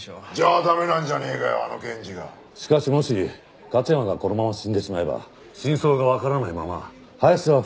しかしもし勝山がこのまま死んでしまえば真相がわからないまま林田は不起訴になるかもしれんぞ。